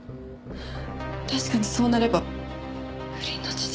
確かにそうなれば不倫の事実も。